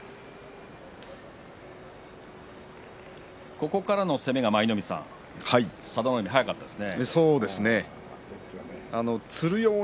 ここからの攻めが佐田の海、速かったですね。